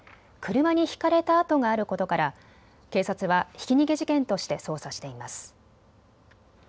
車にひかれた跡があることから警察はひき逃げ事件として捜査しています。